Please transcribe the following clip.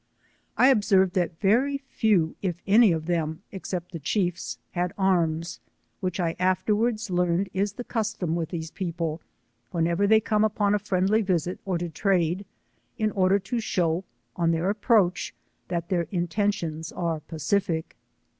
I observed that very few*, if any of them, except the chiefs, had arms, which I afterwards learned is the custom with these people, whenever they come upon a friendlp'^isit or to trade, in order to shew, on theijM^^oacb, that their intentions are pacific.